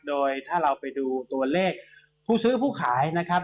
โดยถ้าเราไปดูตัวเลขผู้ซื้อผู้ขายนะครับ